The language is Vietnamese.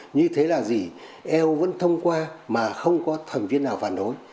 như thế là gì eu vẫn thông qua mà không có thành viên nào phản đối